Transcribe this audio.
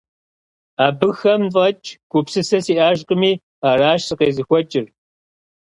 Абыхэм фӀэкӀ гупсысэ сиӀэжкъыми, аращ сыкъезыхуэкӀыр.